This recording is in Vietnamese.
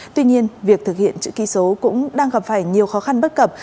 tuy nhiên việc thực hiện chữ ký số cũng đang gặp phải nhiều khó khăn bất cập